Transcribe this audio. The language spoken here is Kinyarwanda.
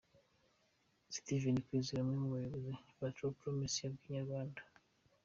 Steven Kwizera umwe mu bayobozi ba True Promises yabwiye Inyarwanda.